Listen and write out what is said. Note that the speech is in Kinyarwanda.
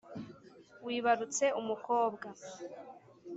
wibarutse umukobwa